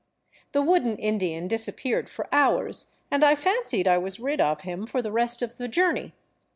The wooden Indian disappeared for hours, and I fancied I was rid of him for the rest of the journey.